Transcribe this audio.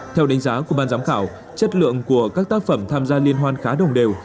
theo đánh giá của ban giám khảo chất lượng của các tác phẩm tham gia liên hoan khá đồng đều